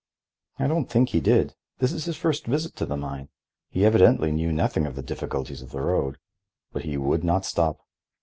"I don't think he did. This is his first visit to the mine. He evidently knew nothing of the difficulties of the road. But he would not stop.